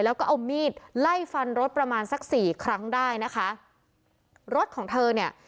แล้วก็เอามีดไล่ฟันรถประมาณสักสี่ครั้งได้นะคะรถของเธอเนี่ย